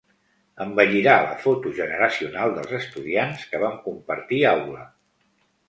Embellirà la foto generacional dels estudiants que vam compartir aula.